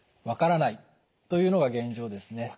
分からないというのが現状ですね。